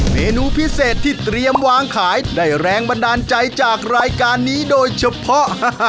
เมนูพิเศษที่เตรียมวางขายได้แรงบันดาลใจจากรายการนี้โดยเฉพาะ